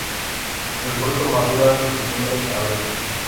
El fruto madura de diciembre a abril.